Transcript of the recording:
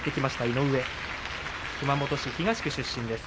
井上、熊本市東区出身です。